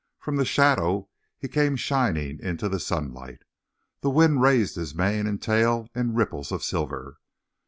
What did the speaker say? From the shadow he came shining into the sunlight; the wind raised his mane and tail in ripples of silver.